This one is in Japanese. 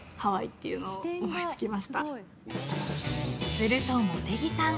すると、茂木さん